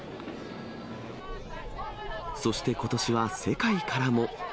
そして、ことしは世界からも。